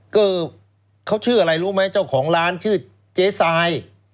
ก็เขาชื่ออะไรรู้ไหมเจ้าของร้านชื่อเจ๊ทราย